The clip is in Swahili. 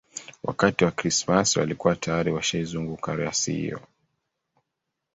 Wakati wa Krismasi walikuwa tayari washaizunguka rasi hiyo